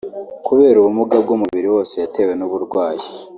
kubera ubumuga bw’umubiri wose yatewe n’uburwayi